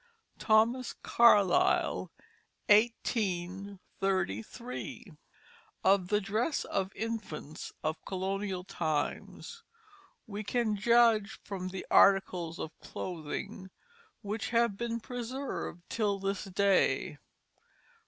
Thomas Carlyle, 1833._ Of the dress of infants of colonial times we can judge from the articles of clothing which have been preserved till this day.